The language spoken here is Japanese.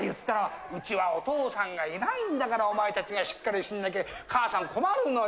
うちはお父さんがいないんだからお前たちがしっかりしなきゃ母さん困るのよ。